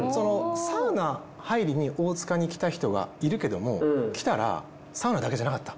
サウナ入りに大塚に来た人はいるけども来たらサウナだけじゃなかった。